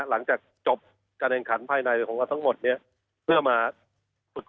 หลังจากจบการแข่งขันภายในของเราทั้งหมดเนี่ยเพื่อมาฝึก